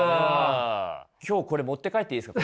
今日これ持って帰っていいですか？